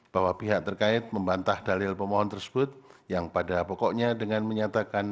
bahwa pihak terkait membantah dalil pemohon tersebut yang pada pokoknya dengan menyatakan